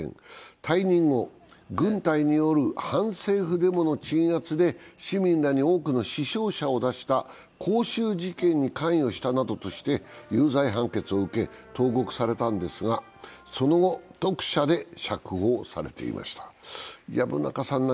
退任後、軍隊による反政府デモの鎮圧で市民らに多くの死傷者を出した光州事件に関与したなどとして有罪判決を受け、投獄されたんですが、その後、特赦で釈放されていました